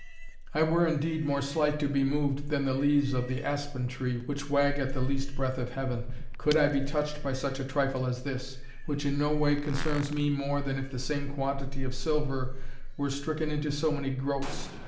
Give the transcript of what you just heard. I were, indeed, more slight to be moved than the leaves of the aspen tree, which wag at the least breath of heaven, could I be touched by such a trifle as this, which in no way concerns me more than if the same quantity of silver were stricken into so many groats.